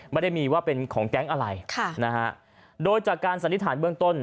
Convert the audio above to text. ไม่ได้มีว่าเป็นของแก๊งอะไรค่ะนะฮะโดยจากการสันนิษฐานเบื้องต้น